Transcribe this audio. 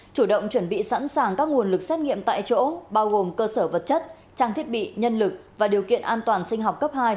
chủ động chuẩn bị sẵn sàng các nguồn lực xét nghiệm tại chỗ bao gồm cơ sở vật chất trang thiết bị nhân lực và điều kiện an toàn sinh học cấp hai